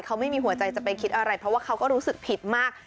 เขาไม่มีหัวใจจะไปคิดอะไรเพราะว่าเขาก็รู้สึกผิดมาก